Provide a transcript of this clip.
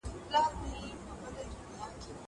دا ليکنه له هغه ښه ده!